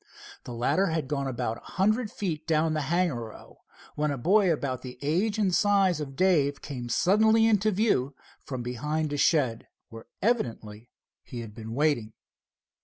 The latter had gone about a hundred feet down the hangar row, when a boy about the age and size of Dave came suddenly into view from behind a shed, where evidently he had been waiting.